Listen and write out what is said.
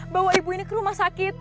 bawa ibu ini ke rumah sakit